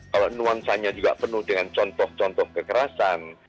kalau nuansanya juga penuh dengan contoh contoh kekerasan